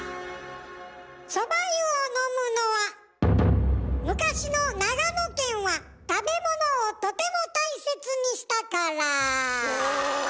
そば湯を飲むのは昔の長野県は食べ物をとても大切にしたから。